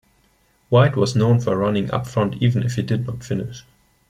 White was known for running up front even if he did not finish.